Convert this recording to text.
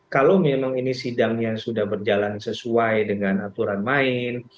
kalau memang ini sidangnya sudah berjalan sesuai dengan aturan main